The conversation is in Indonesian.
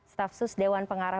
stafsus dewan pengarah